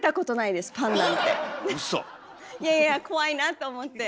いやいや怖いなと思って。